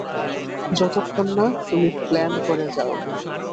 যতক্ষণ না, তুমি প্ল্যান করে যাও।